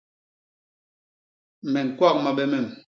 Me ñkwak mabe mem.